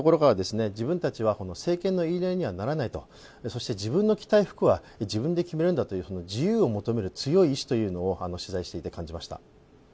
政権の言いなりにはならない、そして自分の着たい服は自分で決めるんだという、自由を求める強い意思というのを取材していて感じました。